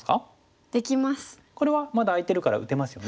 これはまだ空いてるから打てますよね。